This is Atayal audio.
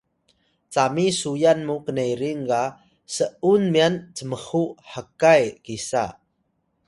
cami suyan mu knerin ga s’un myan cmxu hkay kisa